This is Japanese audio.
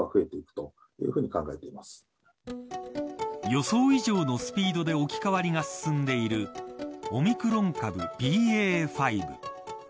予想以上のスピードで置き換わりが進んでいるオミクロン株ＢＡ．５。